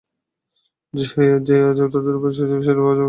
যে আযাব তাদের উপর এসেছিল, সেরূপ আযাব তোমাদের উপরও না পতিত হয়ে যায়।